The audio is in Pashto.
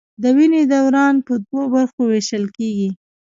د وینې دوران په دوو برخو ویشل کېږي.